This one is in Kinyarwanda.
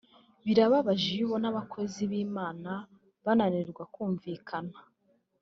birababaje iyo ubona Abakozi b’Imana bananirwa kumvikana